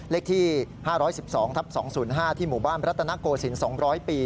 เลขที่๕๑๒ทับ๒๐๕ที่หมู่บ้านรัตนโกศิลป๒๐๐ปี